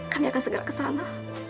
kami akan segera kesana